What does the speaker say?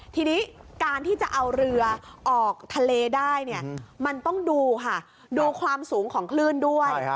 ทีนี้การที่จะเอาเรือออกทะเลได้เนี่ยมันต้องดูค่ะดูความสูงของคลื่นด้วย